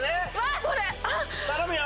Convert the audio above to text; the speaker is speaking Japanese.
頼むよ！